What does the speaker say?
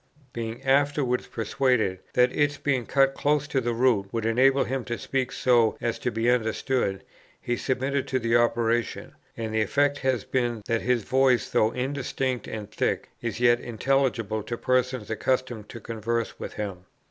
Being afterwards persuaded that its being cut close to the root would enable him to speak so as to be understood, he submitted to the operation; and the effect has been, that his voice, though indistinct and thick, is yet intelligible to persons accustomed to converse with him....